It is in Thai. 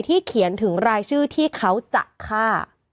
เขียนถึงรายชื่อที่เขาจะฆ่า